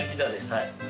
はい。